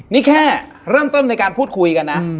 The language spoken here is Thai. นี่แค่เริ่มต้นในการพูดคุยกันนะ